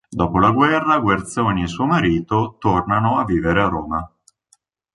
Dopo la guerra Guerzoni e suo marito tornano a vivere a Roma.